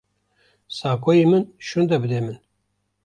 Saqoyê min şûnde bide min.